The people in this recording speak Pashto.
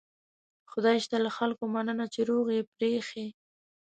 خدای شته له خلکو مننه چې روغ یې پرېښي.